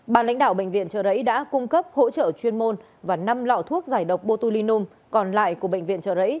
bàn lãnh đạo bệnh viện trợ rẫy đã cung cấp hỗ trợ chuyên môn và năm lọ thuốc giải độc botulinum còn lại của bệnh viện trợ rẫy